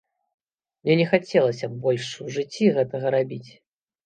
Мне не хацелася б больш у жыцці гэтага рабіць.